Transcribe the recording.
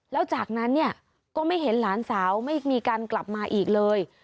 แล้วจากนั้นเนี่ยก็ไม่เห็นหลานสาวไม่มีการกลับมาอีกเลย